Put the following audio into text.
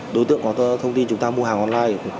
đối tượng có thông tin chúng ta mua hàng online